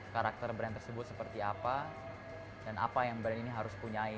karakter brand tersebut seperti apa dan apa yang brand ini harus punyai